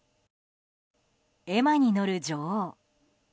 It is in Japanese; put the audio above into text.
エマに乗る女王。